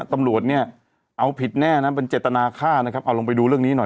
ตำรวจเนี่ยเอาผิดแน่นะเป็นเจตนาฆ่านะครับเอาลงไปดูเรื่องนี้หน่อย